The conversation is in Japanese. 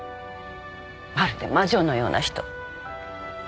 まるで魔女のような人。